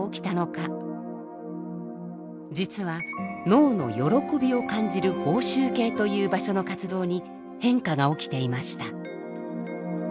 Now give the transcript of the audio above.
実は脳の喜びを感じる報酬系という場所の活動に変化が起きていました。